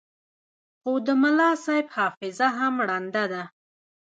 خو د ملاصاحب حافظه هم ړنده ده.